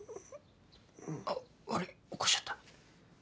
あっ悪い起こしちゃった？